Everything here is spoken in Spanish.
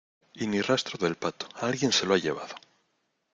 y ni rastro del pato, alguien se lo ha llevado.